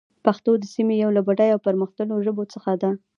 پښتو د سيمې يوه له بډايه او پرمختللو ژبو څخه ده.